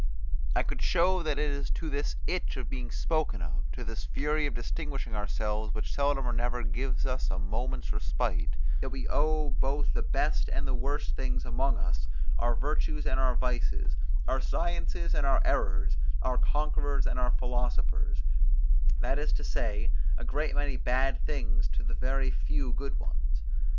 I could show that it is to this itch of being spoken of, to this fury of distinguishing ourselves which seldom or never gives us a moment's respite, that we owe both the best and the worst things among us, our virtues and our vices, our sciences and our errors, our conquerors and our philosophers; that is to say, a great many bad things to a very few good ones.